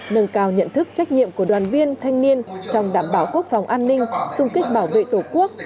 nâng cao nhận thức trách nhiệm của đoàn viên thanh niên trong đảm bảo quốc phòng an ninh xung kích bảo vệ tổ quốc